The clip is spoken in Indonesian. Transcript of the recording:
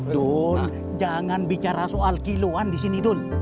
dul jangan bicara soal kiluan disini dul